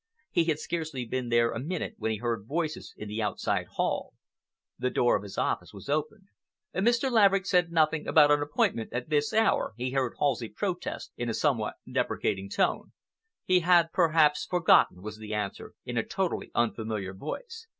He had scarcely been there a minute when he heard voices in the outside hall. The door of his office was opened. "Mr. Laverick said nothing about an appointment at this hour," he heard Halsey protest in a somewhat deprecating tone. "He had, perhaps, forgotten," was the answer, in a totally unfamiliar voice.